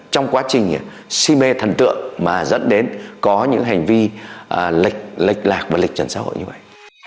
trong quá trình si mê thần tượng mà dẫn đến có những hành vi lệch lạc và lịch chuẩn xã hội như vậy